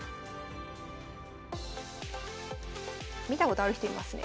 見たことある人いますね。